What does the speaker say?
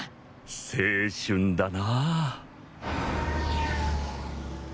青春だなあ